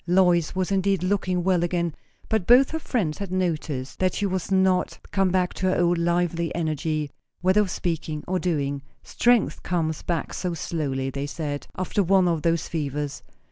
Lois was indeed looking well again; but both her friends had noticed that she was not come back to her old lively energy, whether of speaking or doing. Strength comes back so slowly, they said, after one of those fevers.